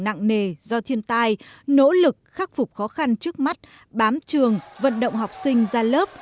nặng nề do thiên tai nỗ lực khắc phục khó khăn trước mắt bám trường vận động học sinh ra lớp